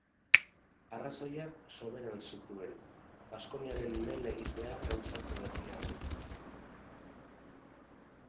Arrazoiak soberan zituen, Baskoniaren men egitea gauzatu berria baitzen.